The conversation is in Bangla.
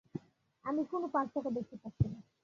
আমি কোনো পার্থক্য দেখতে পাচ্ছি না।